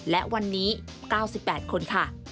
และวันนี้๙๘คนค่ะ